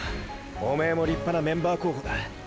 おめえも立派なメンバー候補だ。